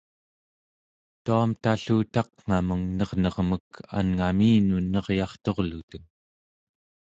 tuamta-llu taqngameng nernermek anngaminun neryarturluteng